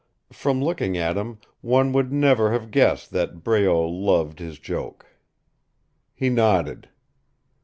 From looking at him one would never have guessed that Breault loved his joke. He nodded.